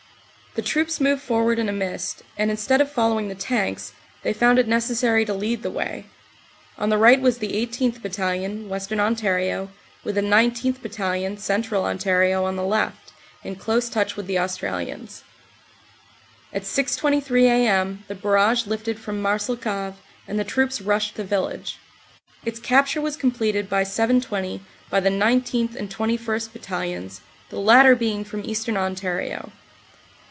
The troops moved forward in a mist, and instead of fol lowing the tanks, they found it necessary to lead the way. On OPERATIONS: AUG. 8. CONTINUED 49 the right was the 18th. Battalion, Western Ontario, with the 19th. Battalion, Central Ontario, on the left, in close touch with the Australians. At 6.23 a.m. the barrage lifted from Marcelcave and the troops rushed the village. Its capture was completed by 7.20 by the 19th. and 21st. Battalions, the latter being from Eastern Ontario.